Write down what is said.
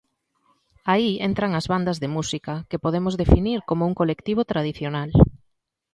Aí entran as bandas de música, que podemos definir como un colectivo tradicional.